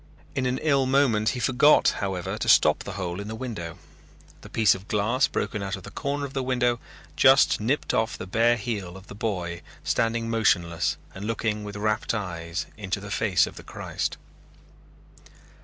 In an ill moment he forgot, however, to stop the hole in the window. The piece of glass broken out at the corner of the window just nipped off the bare heel of the boy standing motionless and looking with rapt eyes into the face of the Christ.